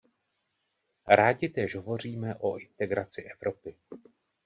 Rádi též hovoříme o integraci Evropy.